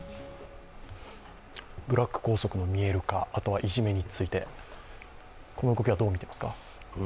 ブラック校則の見える化、あとはいじめについて、この動きはどう見ていますか。